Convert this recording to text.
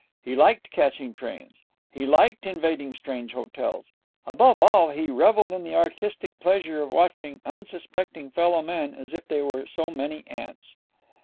He liked catching trains; he liked invading strange hotels; above all, he revelled in the artistic pleasure of watching unsuspecting fellow men as if they were so many ants.